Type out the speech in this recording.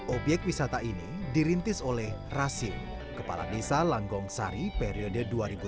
objek wisata ini dirintis oleh rasim kepala desa langgong sari periode dua ribu tiga belas dua ribu sembilan belas